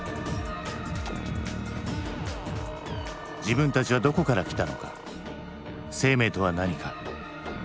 自分たちはどこからきたのか生命とは何か。